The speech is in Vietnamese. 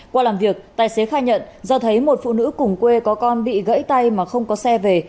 qua làm việc tài xế khai nhận do thấy một phụ nữ cùng quê có con bị gãy tay mà không có xe về